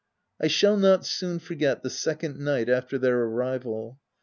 I shall not soon forget the second night after their arrival.